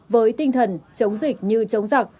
với tinh thần chống dịch như chống giặc